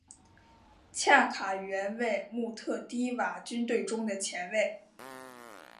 恰卡原为穆特提瓦军队中的前卫。